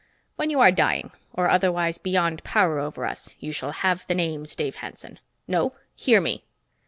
When you are dying or otherwise beyond power over us, you shall have the names, Dave Hanson. No, hear me!"